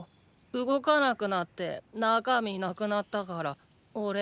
動かなくなって中身なくなったからおれ